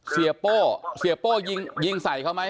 เสียโป้เสียโป้ยิงใส่เขาไหม